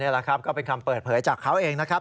แหละครับก็เป็นคำเปิดเผยจากเขาเองนะครับ